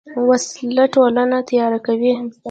وسله ټولنه تیاره کوي